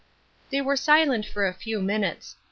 They were silent for a few minutes.